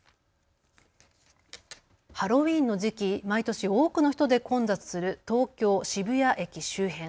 ハロウィーンの時期、毎年多くの人で混雑する東京渋谷駅周辺。